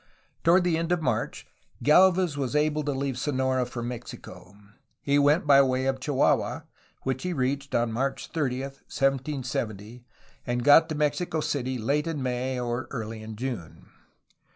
Toward the end of March, Gdlvez was able to leave Sonora for Mexico. He went by way of Chihuahua, which he reached on March 30, 1770, and got to Mexico City late in May or early in June.